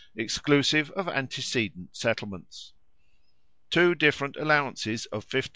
exclusive of antecedent settlements. Two different allowances of 15,000l.